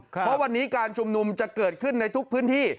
เพราะวันนี้การชุมนุมจะเกิดขึ้นในทุกพื้นที่